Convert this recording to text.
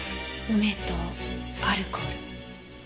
梅とアルコール。